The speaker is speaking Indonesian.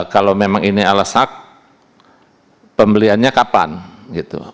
kalau memang ini alasak pembeliannya kapan gitu